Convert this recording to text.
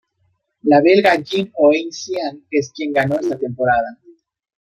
La belga Yin Oei Sian es quien ganó esta temporada.